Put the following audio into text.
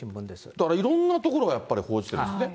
だからいろんなところがやっぱり報じてるんですね。